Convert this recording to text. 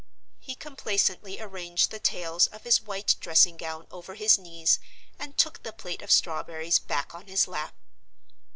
He complacently arranged the tails of his white dressing gown over his knees and took the plate of strawberries back on his lap.